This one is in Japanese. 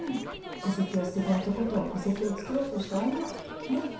戸籍を捨てた男と戸籍を作ろうとした女ねっ。